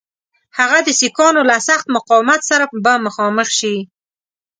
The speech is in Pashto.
هغه د سیکهانو له سخت مقاومت سره به مخامخ سي.